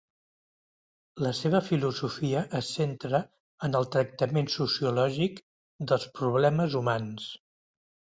La seva filosofia es centra en el tractament sociològic dels problemes humans.